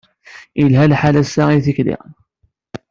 Yelḥa lḥal ass-a i tikli.